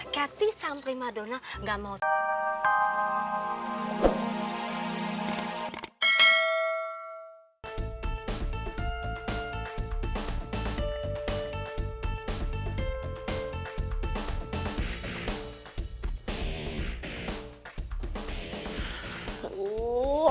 cathy sampai madonna gak mau tau